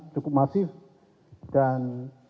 cukup masif dan